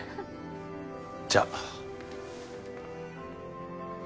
じゃあ。